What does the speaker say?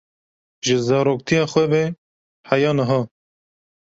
Ji zaroktiya xwe ve heya niha.